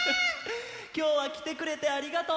きょうはきてくれてありがとう！